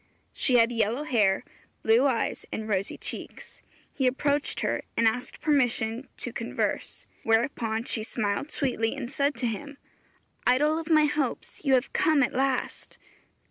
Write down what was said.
She had yellow hair, blue eyes and rosy cheeks. He approached her, and asked permission to converse; whereupon she smiled sweetly and said to him, 'Idol of my hopes, you have come at last!'